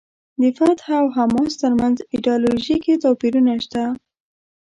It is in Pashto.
د فتح او حماس ترمنځ ایډیالوژیکي توپیرونه شته.